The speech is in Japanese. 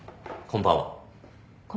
こんばんは。